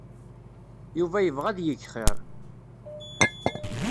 Yuba yebɣa ad yeg xir.